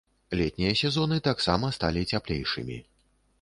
Летнія сезоны таксама сталі цяплейшымі.